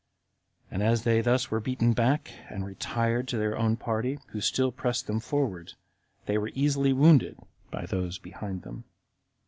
And as they thus were beaten back, and retired to their own party, who still pressed them forward, they were easily wounded by those that were behind them.